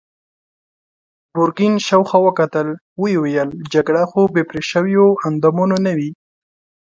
ګرګين شاوخوا وکتل، ويې ويل: جګړه خو بې پرې شويوو اندامونو نه وي.